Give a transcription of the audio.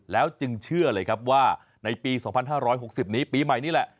แล้วจึงเชื่อเลยครับว่าในปี๒๕๖๐นี้ปีใหม่นี่แหละ